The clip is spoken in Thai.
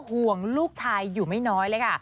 ห่วงลูกชายอยู่ไม่น้อยเลยค่ะ